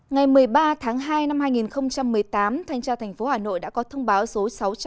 ngày một mươi ba tháng hai năm hai nghìn một mươi tám thanh tra thành phố hà nội đã có thông báo số sáu trăm chín mươi